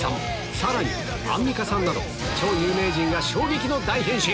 さらにアンミカさんなど超有名人が衝撃の大変身！